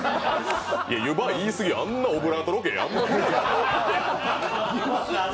湯葉いいすぎ、あんなオブラートロケあるかな。